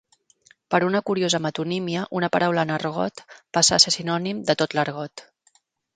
Per una curiosa metonímia, una paraula en argot passa a ser sinònim de tot l'argot.